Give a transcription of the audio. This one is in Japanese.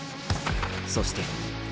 そして。